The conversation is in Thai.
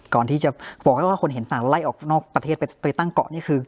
ก่อนที่จะบอกให้ว่าคนเห็นต่างไล่ออกนอกประเทศไปตั้งเกาะนี่คือ